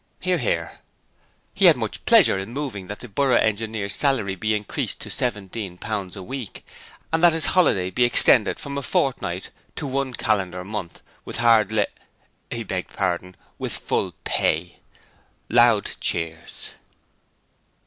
(Hear, hear.) He had much pleasure in moving that the Borough Engineer's salary be increased to seventeen pounds a week, and that his annual holiday be extended from a fortnight to one calendar month with hard la he begged pardon with full pay. (Loud cheers.)